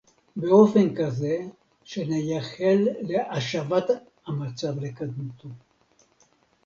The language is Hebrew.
באופן כזה שנייחל להשבת המצב לקדמותו